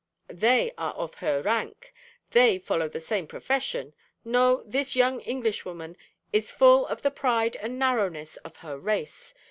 _ They are of her rank; they follow the same profession; no, this young Englishwoman is full of the pride and narrowness of her race!